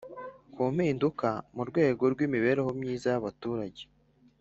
ku mpinduka mu rwego rw'imibereho myiza y'abaturage